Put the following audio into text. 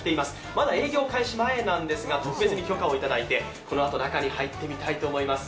まだ営業開始前なんですが特別に許可をいただいてこのあと中に入ってみたいと思います。